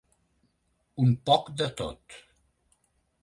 Un poc de tot.